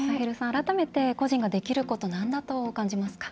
改めて個人ができることなんだと感じますか？